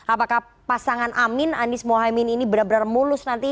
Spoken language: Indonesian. apakah pasangan amin anies mohaimin ini benar benar mulus nanti